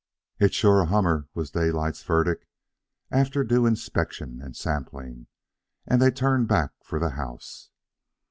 "It's sure a hummer," was Daylight's verdict, after due inspection and sampling, as they turned back for the house.